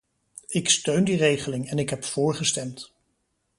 Ik steun die regeling en ik heb voorgestemd.